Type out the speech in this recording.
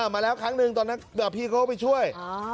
มาแล้วครั้งหนึ่งตอนนั้นพี่เขาก็ไปช่วย